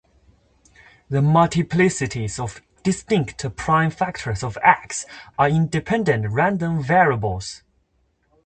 The multiplicities of distinct prime factors of "X" are independent random variables.